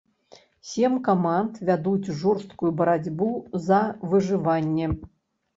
Сем каманд вядуць жорсткую барацьбу за выжыванне.